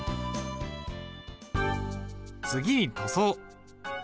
次に塗装。